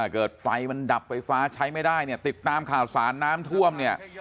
เกิดไฟมันดับไฟฟ้าใช้ไม่ได้เนี่ยติดตามข่าวสารน้ำท่วมเนี่ย